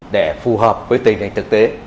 để phù hợp với tình hình thực tế